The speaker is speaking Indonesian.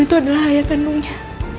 itu adalah ayah kandungnya